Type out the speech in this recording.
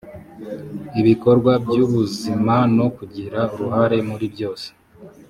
ibikorwa by ubuzima no kugira uruhare muri byose